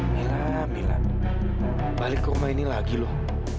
mila mila balik rumah ini lagi loh